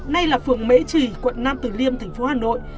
nay là phường mễ trì quận nam từ liêm tp hà nội